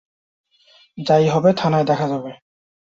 যা-ই হবে, থানায় দেখা যাবে।